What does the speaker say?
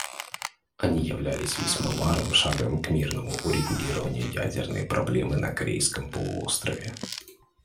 Они явились весьма важным шагом к мирному урегулированию ядерной проблемы на Корейском полуострове.